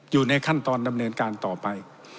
อยู่ในขั้นตอนดำเนินการต่อไป